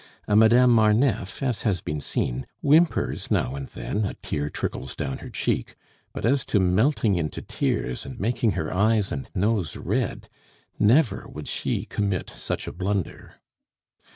A Madame Marneffe, as has been seen, whimpers now and then, a tear trickles down her cheek; but as to melting into tears and making her eyes and nose red! never would she commit such a blunder.